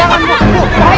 ya pak makasih ya pak